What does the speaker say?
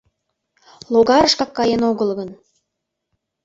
Логарышкак каен огыл гын!